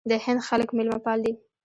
د هند خلک میلمه پال دي.